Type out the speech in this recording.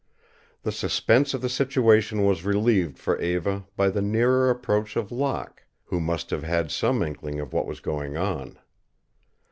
The suspense of the situation was relieved for Eva by the nearer approach of Locke, who must have had some inkling of what was going on.